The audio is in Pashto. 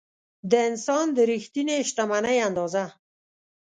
د انسان د رښتینې شتمنۍ اندازه.